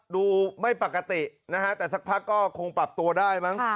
ดูไม่ปกตินะฮะแต่สักพักก็คงปรับตัวได้มั้ง